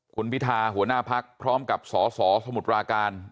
คุณพิธาหัวหน้าพักพร้อมกับสสสมุทรปราการ